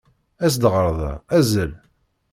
As-d ɣer da, azzel.